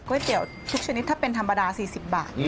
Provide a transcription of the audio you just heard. เตี๋ยวทุกชนิดถ้าเป็นธรรมดา๔๐บาท